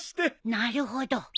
なるほど。